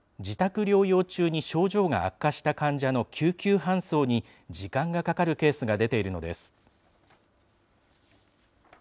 自宅療養中に症状が悪化した患者の救急搬送に時間がかかるケースが出ているのです。